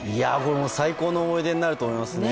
最高の思い出になると思います。